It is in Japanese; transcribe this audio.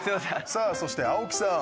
さあそして青木さん。